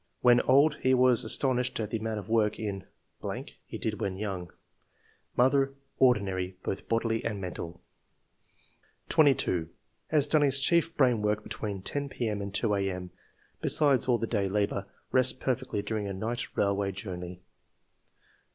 When old he was astonished at the amount of work in .... he did when young. Mother — Ordinary, both bodily and mental.'' 22. " Has done his chief brain work between ten p.m. and two a.m., besides all the day labour; rests perfectly during a night railway journey.